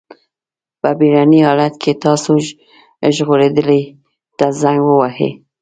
په بېړني حالت کې تاسو ژغورډلې ته زنګ ووهئ.